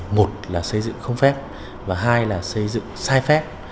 một là xây dựng không phép và hai là xây dựng sai phép